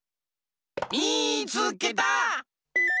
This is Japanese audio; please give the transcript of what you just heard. みいつけた！